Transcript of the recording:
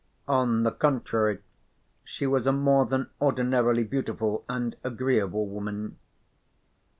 On the contrary, she was a more than ordinarily beautiful and agreeable woman.